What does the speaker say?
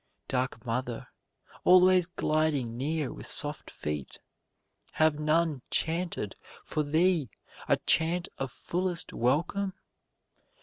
Dark Mother, always gliding near with soft feet, Have none chanted for thee a chant of fullest welcome?